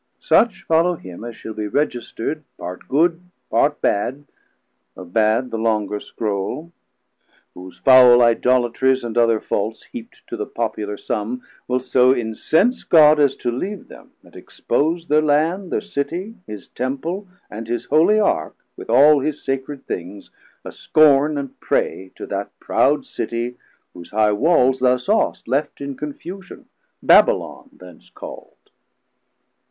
Such follow him, as shall be registerd Part good, part bad, of bad the longer scrowle, Whose foul Idolatries, and other faults Heapt to the popular summe, will so incense God, as to leave them, and expose thir Land, Thir Citie, his Temple, and his holy Ark With all his sacred things, a scorn and prey 340 To that proud Citie, whose high Walls thou saw'st Left in confusion, Babylon thence call'd.